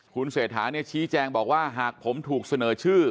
คุณเศรษฐาชี้แจงบอกว่าหากผมถูกเสนอชื่อ